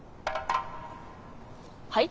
はい？